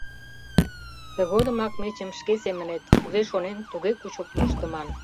Тыгодымак мечым шке семынет, кузе шонен, туге кучылт моштыман.